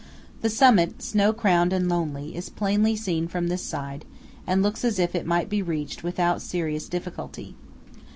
The summit, snow crowned and lonely, is plainly seen from this side, and looks as if it might be reached without serious difficulty.